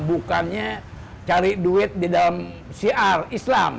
bukannya cari duit di dalam siar islam